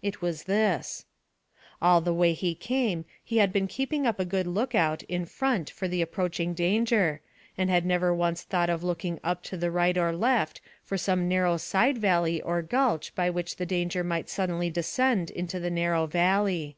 It was this All the way he came he had been keeping up a good lookout in front for the approaching danger, and had never once thought of looking up to right or left for some narrow side valley or gash by which the danger might suddenly descend into the narrow way.